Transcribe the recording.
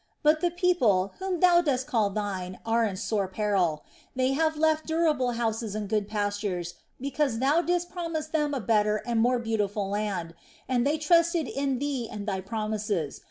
But the people, whom Thou dost call Thine, are in sore peril. They have left durable houses and good pastures because Thou didst promise them a better and more beautiful land, and they trusted in Thee and Thy promises.